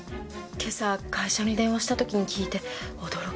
今朝会社に電話した時に聞いて驚きました。